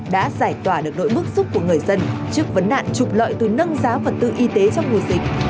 đã giải tỏa được nỗi mức giúp của người dân trước vấn đạn trục lợi từ nâng giá phần tư y tế trong mùa dịch